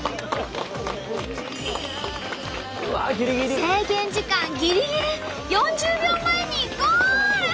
制限時間ギリギリ４０秒前にゴール！